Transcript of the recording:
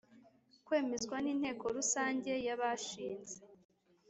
kwemezwa n Inteko Rusange y abashinze